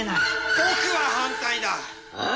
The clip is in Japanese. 僕は反対だ！ああ！？